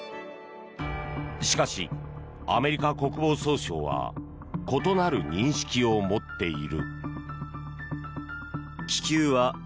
しかし、アメリカ国防総省は異なる認識を持っている。